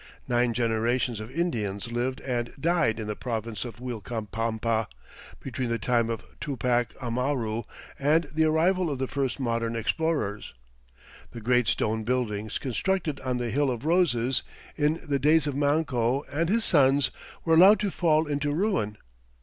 Nine generations of Indians lived and died in the province of Uilcapampa between the time of Tupac Amaru and the arrival of the first modern explorers. The great stone buildings constructed on the "Hill of Roses" in the days of Manco and his sons were allowed to fall into ruin.